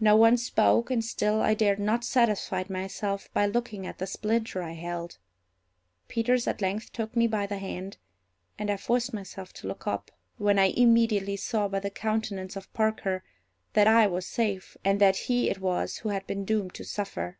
No one spoke, and still I dared not satisfy myself by looking at the splinter I held. Peters at length took me by the hand, and I forced myself to look up, when I immediately saw by the countenance of Parker that I was safe, and that he it was who had been doomed to suffer.